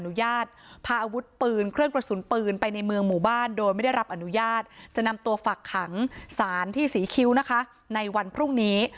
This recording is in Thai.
ในครอบครองโดยไม่ได้รับอนุญาตพาอาวุธปืนเครื่องกระสุนปืนไปในเมืองหมู่บ้านโดยไม่ได้รับอนุญาตจะนำตัวฝักขังสารที่สีคิ้วนะคะในวันพรุ่งนี้